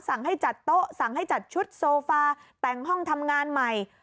สั่งให้จัดโต๊ะสั่งให้จัดชุดโซฟาแต่งห้องทำงานใหม่